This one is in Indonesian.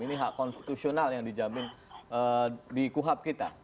ini hak konstitusional yang dijamin di kuhap kita